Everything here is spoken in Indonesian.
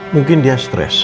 mungkin dia stress